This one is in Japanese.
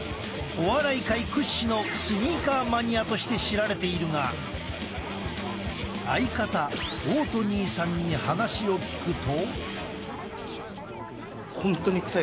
お笑い界屈指のスニーカーマニアとして知られているが相方大トニーさんに話を聞くと。